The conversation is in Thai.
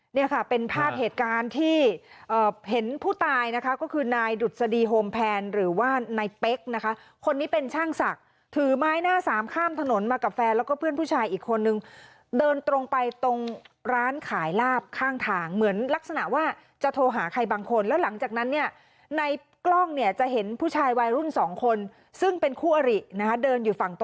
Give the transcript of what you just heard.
เนี่ยค่ะเป็นภาพเหตุการณ์ที่เห็นผู้ตายนะคะก็คือนายดุษฎีโฮมแพนหรือว่านายเป๊กนะคะคนนี้เป็นช่างศักดิ์ถือไม้หน้าสามข้ามถนนมากับแฟนแล้วก็เพื่อนผู้ชายอีกคนนึงเดินตรงไปตรงร้านขายลาบข้างทางเหมือนลักษณะว่าจะโทรหาใครบางคนแล้วหลังจากนั้นเนี่ยในกล้องเนี่ยจะเห็นผู้ชายวัยรุ่นสองคนซึ่งเป็นคู่อรินะคะเดินอยู่ฝั่งต